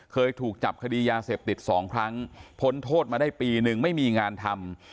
เคยถูกจับคดียาเสพติด๒ครั้งพ้นโทษมาได้ปีนึงไม่มีงานทำ